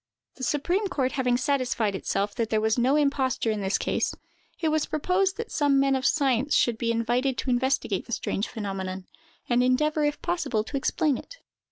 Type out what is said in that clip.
The supreme court having satisfied itself that there was no imposture in this case, it was proposed that some men of science should be invited to investigate the strange phenomenon, and endeavor if possible to explain it.